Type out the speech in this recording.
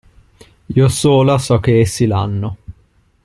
Io sola so che essi l'hanno.